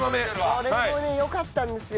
これもね良かったんですよ。